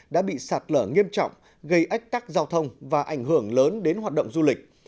đã bị sạt lở nghiêm trọng gây ách tắc giao thông và ảnh hưởng lớn đến hoạt động du lịch